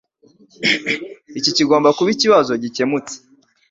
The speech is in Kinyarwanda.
Iki kigomba kuba ikibazo gikemutse.